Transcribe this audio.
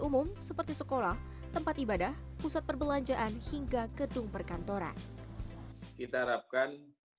umum seperti sekolah tempat ibadah pusat perbelanjaan hingga gedung perkantoran kita harapkan